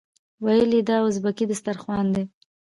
ویل یې دا ازبکي دسترخوان دی.